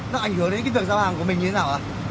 nó ảnh hưởng đến cái việc giao hàng của mình như thế nào ạ